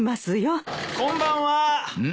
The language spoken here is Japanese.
・・こんばんは。